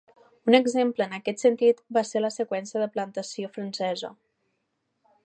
Un exemple en aquest sentit va ser la seqüència de plantació francesa.